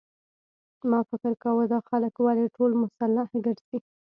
ما فکر کاوه دا خلک ولې ټول مسلح ګرځي.